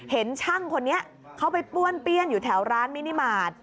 เห็นช่างคนนี้เขาไปป้วนเปี้ยนอยู่แถวร้านมินิมาตร